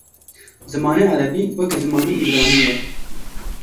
Zimanê erebî wekî zimanê îbranî ye.